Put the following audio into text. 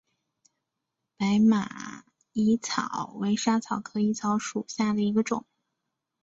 白马薹草为莎草科薹草属下的一个种。